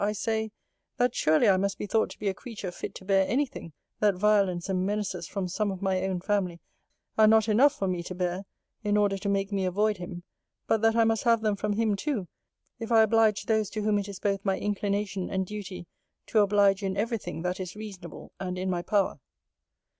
I say, 'That, surely, I must be thought to be a creature fit to bear any thing; that violence and menaces from some of my own family are not enough for me to bear, in order to make me avoid him; but that I must have them from him too, if I oblige those to whom it is both my inclination and duty to oblige in every thing that is reasonable, and in my power.